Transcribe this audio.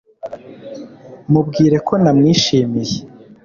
Mubwire ko namwishimiye